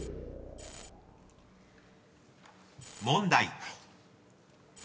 ［問題］